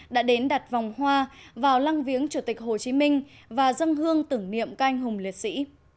đã đến đặt vòng hoa vào lăng viếng chủ tịch hồ chí minh và dân hương tưởng niệm canh hùng liệt sĩ